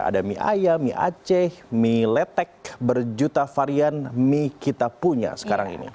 ada mie ayam mie aceh mie letek berjuta varian mie kita punya sekarang ini